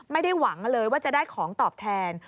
ไม่ได้หวังเลยว่าจะได้ของตอบแทน